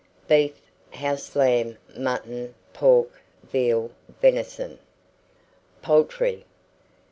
Beef, house lamb, mutton, pork, veal, venison. POULTRY.